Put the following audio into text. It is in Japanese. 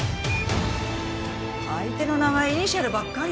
相手の名前イニシャルばっかり。